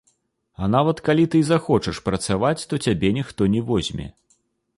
А нават калі ты і захочаш працаваць, то цябе ніхто не возьме.